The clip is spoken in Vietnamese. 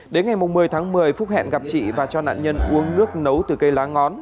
đến ngày một mươi tháng một mươi phúc hẹn gặp chị và cho nạn nhân uống nước nấu từ cây lá ngón